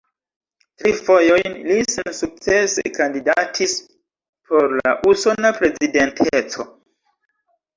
Tri fojojn li sensukcese kandidatis por la usona prezidenteco.